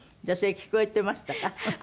じゃあそれ聞こえてましたか？